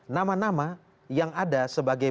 nama nama yang ada sebagai